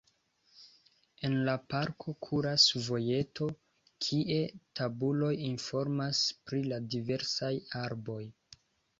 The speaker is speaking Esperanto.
En la parko kuras vojeto, kie tabuloj informas pri la diversaj arboj.